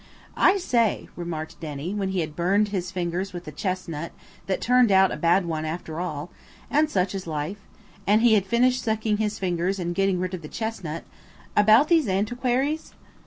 "I say," remarked Denny, when he had burned his fingers with a chestnut that turned out a bad one after all–and such is life–and he had finished sucking his fingers and getting rid of the chestnut, "about these antiquaries?"